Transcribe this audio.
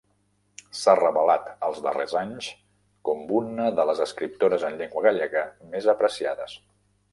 S'ha revelat els darrers anys com una de les escriptores en llengua gallega més apreciades.